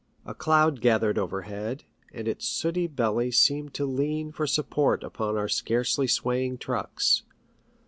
A cloud gathered overhead, and its sooty belly seemed to lean for support upon our scarcely swaying trucks.